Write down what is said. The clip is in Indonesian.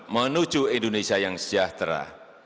menuju indonesia yang sejahtera